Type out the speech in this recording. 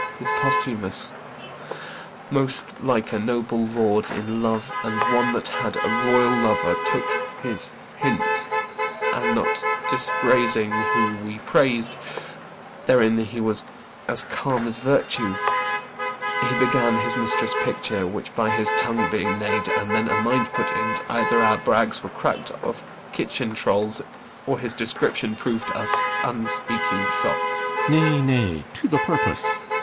This Posthumus, Most like a noble lord in love and one That had a royal lover, took his hint; And not dispraising whom we prais'd therein He was as calm as virtue he began His mistress' picture; which by his tongue being made, And then a mind put in't, either our brags Were crack'd of kitchen trulls, or his description Prov'd us unspeaking sots. CYMBELINE. Nay, nay, to th' purpose.